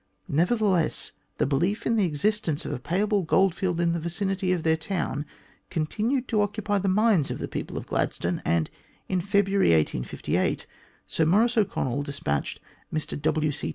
Nevertheless, the belief in the existence of a payable gold field in the vicinity of their town continued to occupy the minds of the people of Gladstone, and in February, 1858, Sir Maurice O'Connell despatched Mr W. C.